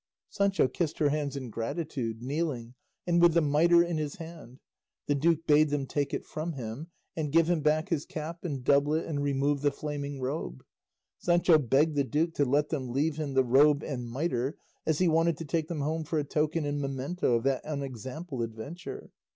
Sancho kissed her hands in gratitude, kneeling, and with the mitre in his hand. The duke bade them take it from him, and give him back his cap and doublet and remove the flaming robe. Sancho begged the duke to let them leave him the robe and mitre; as he wanted to take them home for a token and memento of that unexampled adventure.